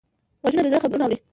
غوږونه د زړه خبرونه اوري